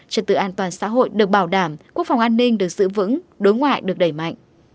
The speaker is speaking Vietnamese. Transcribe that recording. trật tự an toàn xã hội được bảo đảm quốc phòng an ninh được giữ vững đối ngoại được đẩy mạnh